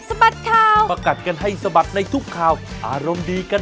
สวัสดีค่ะ